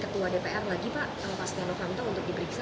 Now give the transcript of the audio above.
dan ketua dpr lagi pak kalau pas tnu pantau untuk diperiksa